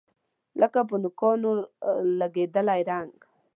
لکه په نوکانو لګیدلی رنګ